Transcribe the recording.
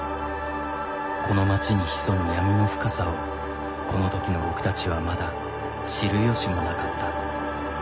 この町に潜む闇の深さをこの時の僕たちはまだ知る由もなかった。